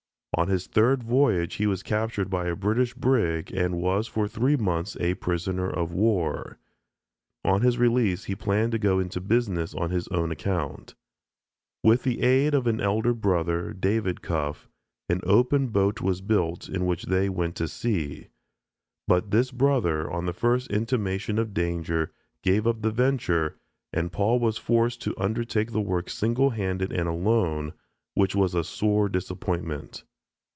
On his third voyage he was captured by a British brig and was for three months a prisoner of war. On his release he planned to go into business on his own account. With the aid of an elder brother, David Cuffe, an open boat was built in which they went to sea; but this brother on the first intimation of danger gave up the venture and Paul was forced to undertake the work single handed and alone, which was a sore disappointment.